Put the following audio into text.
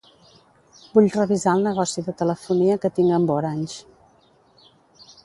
Vull revisar el negoci de telefonia que tinc amb Orange.